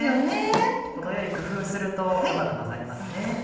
このように工夫するとうまく混ざりますね。